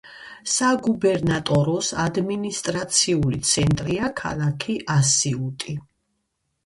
საგუბერნატოროს ადმინისტრაციული ცენტრია ქალაქი ასიუტი.